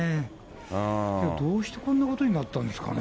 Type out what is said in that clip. どうしてこんなことになったんですかね。